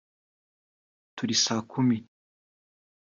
Talisakumi